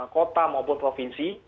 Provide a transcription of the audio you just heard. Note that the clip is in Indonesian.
kota maupun provinsi